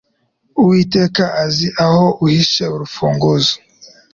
Uwiteka azi aho uhishe 'urufunguzo